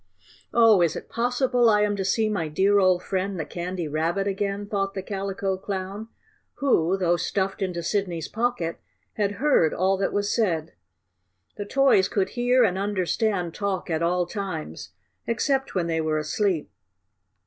"Oh, is it possible I am to see my dear old friend, the Candy Rabbit, again?" thought the Calico Clown, who, though stuffed into Sidney's pocket, had heard all that was said. The toys could hear and understand talk at all times, except when they were asleep.